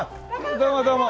どうもどうも。